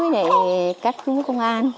để các công an